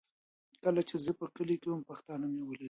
کله چي زه په کلي کي وم، پښتانه مي ولیدل.